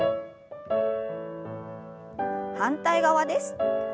反対側です。